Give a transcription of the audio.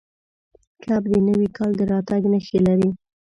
کب د نوي کال د راتګ نښې لري.